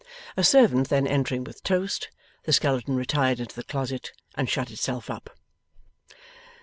A servant then entering with toast, the skeleton retired into the closet, and shut itself up.